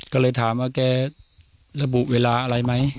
ก็เลยถามว่าแกระบุเวลาอะไรไหม